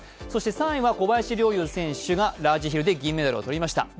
そして３位は小林陵侑選手がラージヒルで銀メダルを取りました。